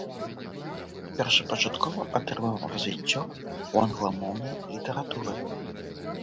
Першапачаткова атрымаў развіццё ў англамоўнай літаратуры.